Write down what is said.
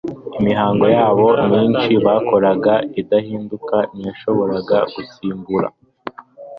Imihango yabo myinshi bakoraga idahinduka ntiyashoboraga gusimbura